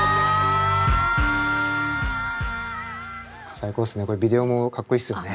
最高っすね。